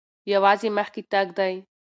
یوازې مخکې تګ دی.